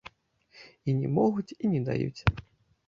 І не могуць, і не даюць.